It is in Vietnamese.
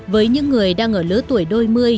với những người đang ở lứa tuổi đôi mươi